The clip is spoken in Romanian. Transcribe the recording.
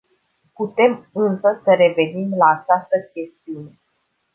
Putem însă să revenim la această chestiune.